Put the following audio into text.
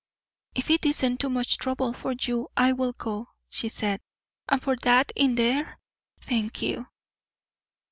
"If it isn't too much trouble for you, I will go," she said. "And for that in there thank you!"